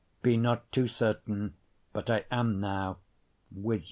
(Be not too certain but I am now with you.)